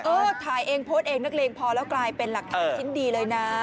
เออถ่ายเองโพสเองนักเรงพอแล้วกลายเป็นเหลือชิ้นดีเลยนะ